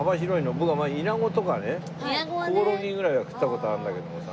僕はイナゴとかねコオロギぐらいは食った事あるんだけどもさ。